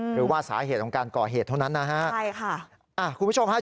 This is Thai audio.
หรือว่าสาเหตุของการก่อเหตุเท่านั้นนะฮะคุณผู้ชมฮะ